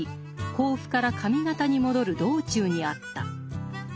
甲府から上方に戻る道中にあった。